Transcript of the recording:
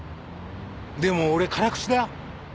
でも俺辛口だよ。